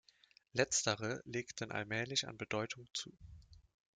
Letztere legten allmählich an Bedeutung zu.